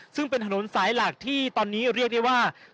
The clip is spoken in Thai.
ซึ่งเป็นถนนสายหลักที่ตอนนี้เรียกได้ว่า